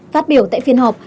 phát biểu tại phiên họp